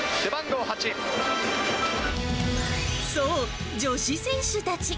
そう、女子選手たち。